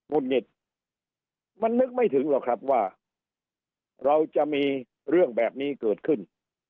ุดหงิดมันนึกไม่ถึงหรอกครับว่าเราจะมีเรื่องแบบนี้เกิดขึ้น